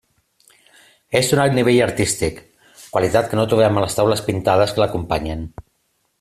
És d'un alt nivell artístic, qualitat que no trobem en les taules pintades que l'acompanyen.